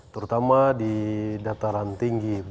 terutama di dataran tinggi